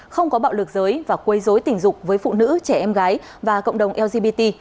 không có bạo lực giới và quấy dối tình dục với phụ nữ trẻ em gái và cộng đồng lgbt